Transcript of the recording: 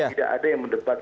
tidak ada yang mendebat